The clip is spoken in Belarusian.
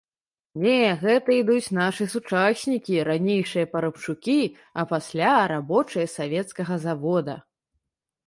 Не, гэта ідуць нашы сучаснікі, ранейшыя парабчукі, а пасля рабочыя савецкага завода.